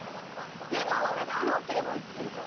でもロケも行ってるから。